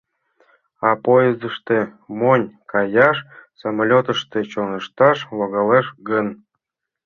— А поездыште монь каяш, самолётышто чоҥешташ логалеш гын?